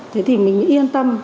thế thì mình yên tâm